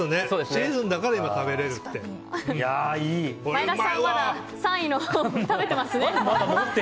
シーズンだから食べれるって。